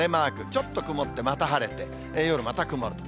ちょっと曇ってまた晴れて、夜また曇ると。